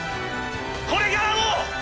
これからも！